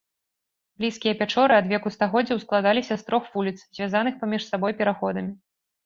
Блізкія пячоры адвеку стагоддзяў складаліся з трох вуліц, звязаных паміж сабой пераходамі.